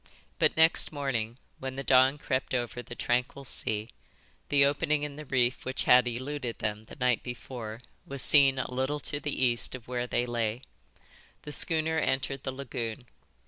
But next morning, when the dawn crept over the tranquil sea, the opening in the reef which had eluded them the night before was seen a little to the east of where they lay. The schooner entered the lagoon.